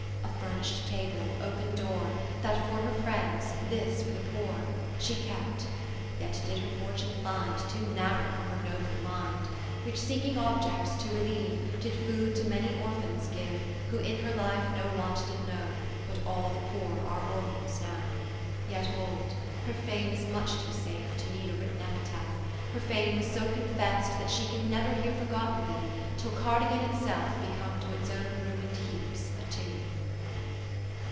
A furnish'd table, open door. That for her friends, this for the poor. An Epitaph She kept ; yet did her fortune find, Too narrow for her nobler mind ; Which seeking objects to reHeve, Did food to many orphans give, Who in her Hfe no want did know. But all the poor are orphans now. .^o Yet hold, her fame is much too safe, To need a written epitaph. Her fame was so confess'd, that she Can never here forgotten be, Till Cardigan itself become To its own ruin'd heaps a tomb.